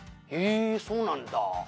「へえそうなんだ」